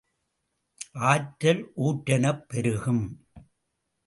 ஆற்றல் ஊற்றெனப் பெருகும்.